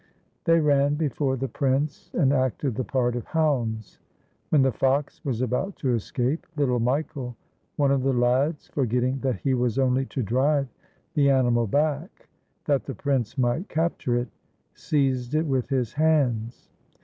They ran before the prince and acted the part of hounds. When the fox was about to escape, little Michael, one of the lads, forgetting that he was only to drive the animal back that the prince might capture it, seized it with his hands.